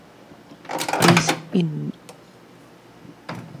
Es inodoro e higroscópico en diversas formas.